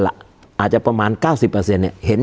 การแสดงความคิดเห็น